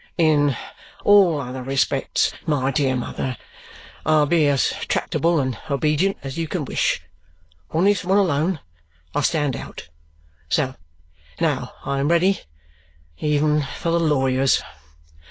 "In all other respects, my dear mother, I'll be as tractable and obedient as you can wish; on this one alone, I stand out. So now I am ready even for the lawyers.